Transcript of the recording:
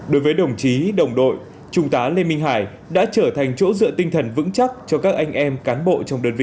đối với đồng chí đồng đội trung tá lê minh hải đã trở thành chỗ dựa tinh thần vững chắc cho các anh em cán bộ trong đơn vị